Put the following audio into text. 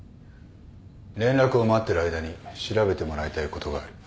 連絡を待ってる間に調べてもらいたいことがある。